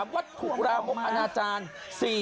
๓วัตถุราบพรรณาจารย์